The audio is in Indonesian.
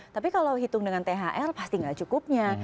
tapi kalau hitung dengan thr pasti gak cukupnya